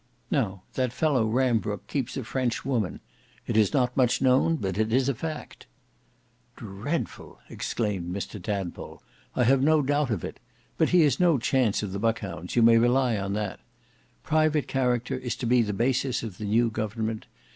Now that fellow Rambrooke keeps a French woman. It is not much known, but it is a fact." "Dreadful!" exclaimed Mr Tadpole. "I have no doubt of it. But he has no chance of the Buck hounds, you may rely on that. Private character is to be the basis of the new government.